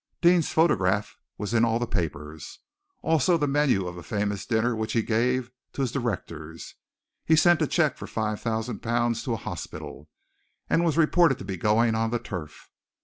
Deane's photograph was in all the papers also the menu of a famous dinner which he gave to his directors. He sent a cheque for five thousand pounds to a hospital, and was reported to be going on the turf.